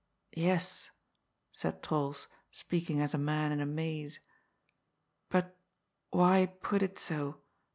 " Yes," said Trols, speaking as a man in a maze. " But why put it so